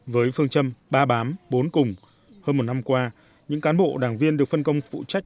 với phương châm ba bám bốn cùng hơn một năm qua những cán bộ đảng viên được phân công phụ trách